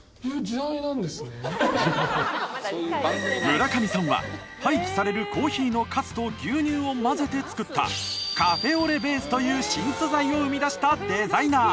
村上さんは廃棄されるコーヒーのかすと牛乳を混ぜて作ったカフェオレベースという新素材を生み出したデザイナー。